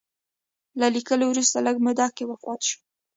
له لیکلو وروسته لږ موده کې وفات شو.